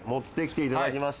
いただきますか。